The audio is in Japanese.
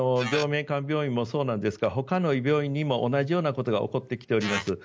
暁明館病院もそうなんですがほかの病院にも同じようなことが起こってきております。